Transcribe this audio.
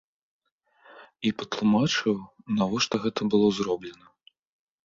І патлумачыў, навошта гэта было зроблена.